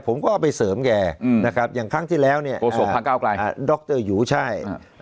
ผมก็เอาไปเสริมแกนะครับอย่างครั้งที่แล้วเนี่ยโศกดรหยูใช่